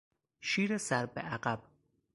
شیر سر به عقب